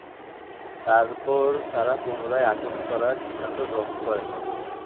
তারপর, তারা পুনরায় আক্রমণ করার সিদ্ধান্ত গ্রহণ করেন।